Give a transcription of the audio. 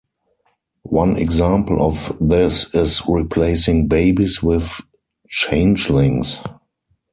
One example of this is replacing babies with changelings.